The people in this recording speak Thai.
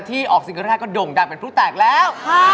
ที่ออกซีเกอร์ไทยก็ด่งดับเป็นผู้แตกแล้ว